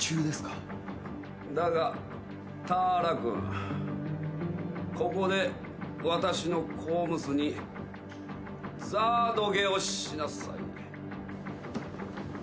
だがタアラ君ここで私のコームスにザードゲをしなさい。